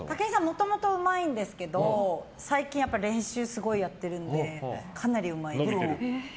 もともとうまいんですけど最近、練習すごいやってるのでかなりうまいです。